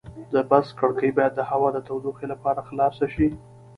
د بس کړکۍ باید د هوا د تودوخې لپاره خلاصې شي.